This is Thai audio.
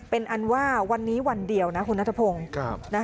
เป็นอันว่าวันนี้วันเดียวนะคุณนัทพงศ์